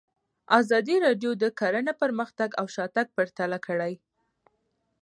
ازادي راډیو د کرهنه پرمختګ او شاتګ پرتله کړی.